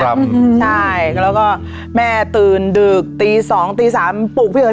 ใช่แล้วก็แม่ตื่นดึกตีสองตีสามปลูกพี่เอ๋